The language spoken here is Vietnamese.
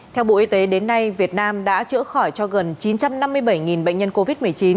theo bộ y tế đến nay việt nam đã chữa khỏi cho gần chín trăm năm mươi bảy bệnh nhân covid một mươi chín